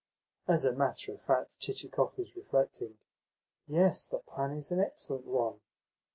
As a matter of fact, Chichikov was reflecting, "Yes, the plan is an excellent one.